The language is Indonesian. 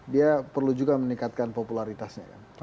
dia perlu juga meningkatkan popularitasnya kan